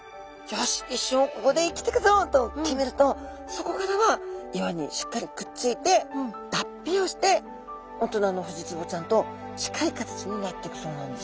「よし一生ここで生きてくぞ」と決めるとそこからは岩にしっかりくっついて脱皮をして大人のフジツボちゃんと近い形になっていくそうなんです。